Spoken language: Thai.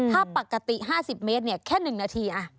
ถ้าปกติ๕๐เมตรแค่๑นาที